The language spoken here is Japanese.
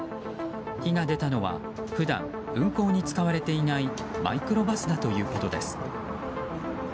火が出たのは普段運行に使われていないマイクロバスだということです。